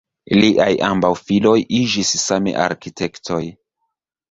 Liaj ambaŭ filoj iĝis same arkitektoj.